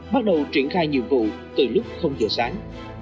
bắt đầu triển khai nhiệm vụ từ lúc giờ sáng